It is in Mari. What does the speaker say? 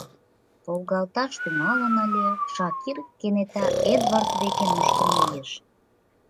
Волгалташ тӱҥалын ыле, Шакир кенета Эдвард деке нушкын мийыш.